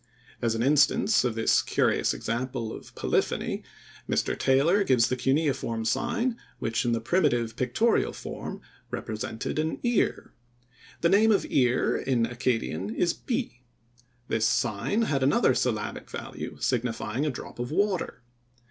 As an instance of this curious example of polyphony, Mr. Taylor gives the cuneiform sign which in the primitive pictorial form represented an ear. The name of ear in Accadian is pi. This sign had another syllabic value, signifying a drop of water.